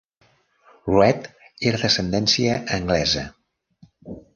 Rhett era d'ascendència anglesa.